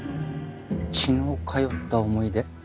血の通った思い出？